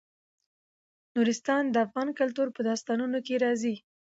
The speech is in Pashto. نورستان د افغان کلتور په داستانونو کې راځي.